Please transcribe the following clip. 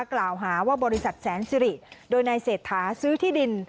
กล่าวหาว่าบริษัทแสนสิริโดยนายเศรษฐาซื้อที่ดิน